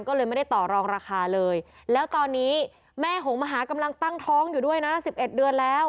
ก็เลยไม่ได้ต่อรองราคาเลยแล้วตอนนี้แม่หงมหากำลังตั้งท้องอยู่ด้วยนะ๑๑เดือนแล้ว